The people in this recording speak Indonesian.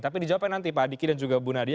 tapi dijawabkan nanti pak adiki dan juga bu nadia